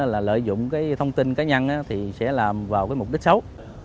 là lợi dụng cái thông tin cá nhân thì sẽ làm vào cái mục đích xấu